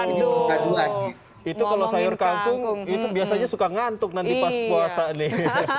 itu kalau sayur kangkung itu biasanya suka ngantuk nanti pas puasa nih